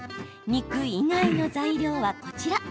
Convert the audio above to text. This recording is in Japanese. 肉以外の材料は、こちら。